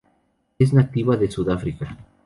Es nativa de Sudáfrica.